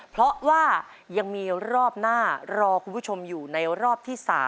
เพราะว่ายังมีรอบหน้ารอคุณผู้ชมอยู่ในรอบที่๓